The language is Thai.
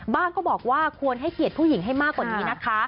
ก็บอกว่าควรให้เกียรติผู้หญิงให้มากกว่านี้นะคะ